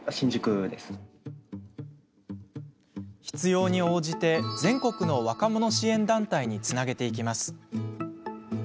必要に応じて全国の若者支援団体につなげていきます。